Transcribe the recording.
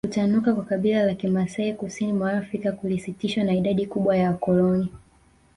Kutanuka kwa kabila la Kimasai kusini mwa Afrika kulisitishwa na idadi kubwa ya wakoloni